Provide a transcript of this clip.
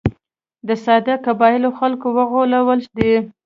د ساده قبایلي خلکو غولول دي.